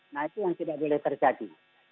nah itu yang tidak boleh terjadi